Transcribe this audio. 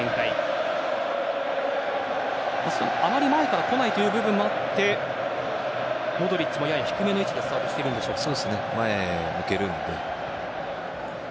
あまり前から来ないという部分もあってモドリッチもやや低めの位置でスタートしているんでしょうか？